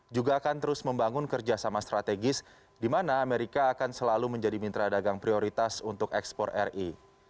juga akan terus membangun kerjasama strategis di mana amerika akan selalu menjadi mitra dagang prioritas untuk ekspor ri